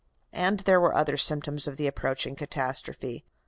And there were other symptoms of the approaching catastrophe.